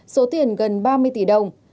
số tiền gần ba mươi tỷ đồng